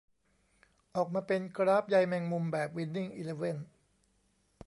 ออกมาเป็นกราฟใยแมงมุมแบบวินนิ่งอีเลเว่น